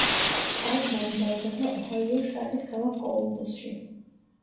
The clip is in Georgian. კაუფმანი დაიბადა ოჰაიოს შტატის ქალაქ კოლუმბუსში.